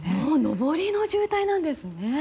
上りの渋滞なんですね。